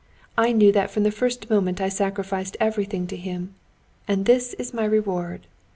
I knew that from the first moment I sacrificed everything to him. And this is my reward!